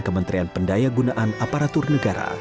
kementerian pendaya gunaan aparatur negara